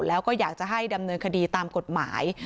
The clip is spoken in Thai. แล้วก็อยากจะให้ดำเนินคดีตามกฎหมาย